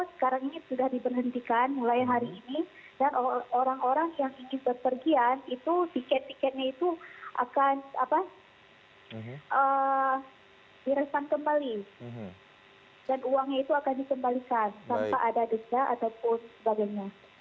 sekarang ini sudah diberhentikan mulai hari ini dan orang orang yang ingin berpergian itu tiket tiketnya itu akan diresan kembali dan uangnya itu akan dikembalikan tanpa ada denda ataupun sebagainya